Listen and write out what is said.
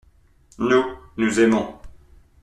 Nous, nous aimons.